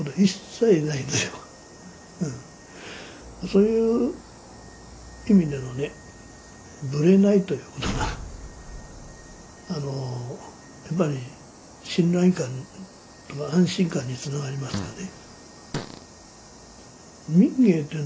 そういう意味でのねブレないということがやっぱり信頼感とか安心感につながりますよね。